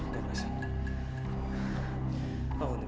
dia masih hidup sam